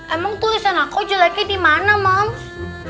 emang tulisan aku jeleknya di mana moms